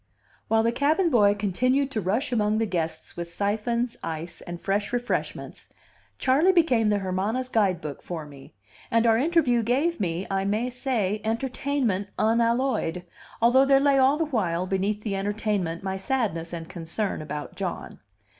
While the cabin boy continued to rush among the guests with siphons, ice, and fresh refreshments, Charley became the Hermana's guidebook for me; and our interview gave me, I may say, entertainment unalloyed, although there lay all the while, beneath the entertainment, my sadness and concern about John.